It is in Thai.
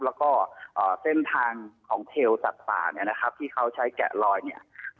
แล้วก็เส้นทางของเทลสัตว์ป่าที่เขาใช้แกะลอย